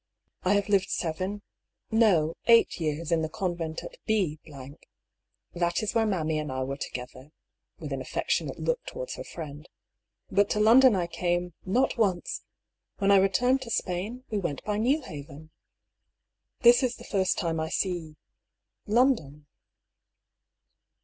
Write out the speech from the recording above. " I have lived seven — no, eight years in the convent at B . That is where mammy and I were together " (with an affec tionate look towards her friend) ;" but to London I came — not — once ! When I returned to Spain, we went by Newhaven. This is the first time I see — London."